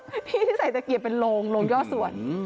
ที่ใส่ตะเกียบเป็นโรงเลี้ยวส่วน